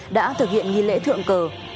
đã thực hiện nghi lễ thượng cờ